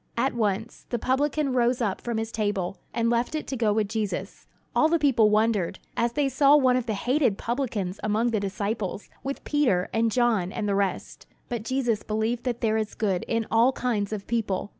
At once, the publican rose up from his table, and left it to go with Jesus. All the people wondered, as they saw one of the hated publicans among the disciples, with Peter, and John, and the rest. But Jesus believed that there is good in all kinds of people.